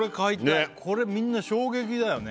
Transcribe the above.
これみんな衝撃だよね